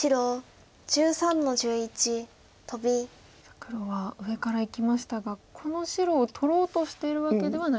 黒は上からいきましたがこの白を取ろうとしてるわけではない。